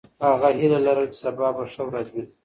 هغه هیله لرله چې سبا به ښه ورځ وي.